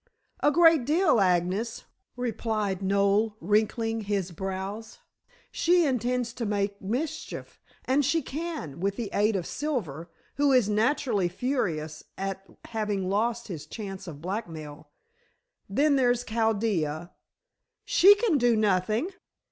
"A great deal, Agnes," replied Noel, wrinkling his brows. "She intends to make mischief, and she can, with the aid of Silver, who is naturally furious at having lost his chance of blackmail. Then there's Chaldea " "She can do nothing."